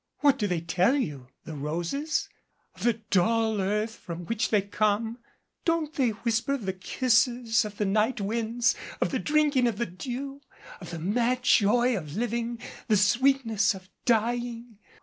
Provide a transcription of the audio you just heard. What do they tell you the roses? Of the dull earth from which they come ? Don't they whisper of the kisses of the night winds, of the drinking of the dew of the mad joy of living the sweetness of dying?